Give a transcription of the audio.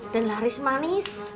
dan laris manis